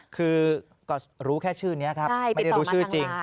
คือก็รู้แค่ชื่อนี้ครับไม่ได้รู้ชื่อจริง